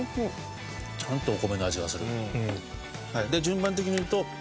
ちゃんとお米の味がする。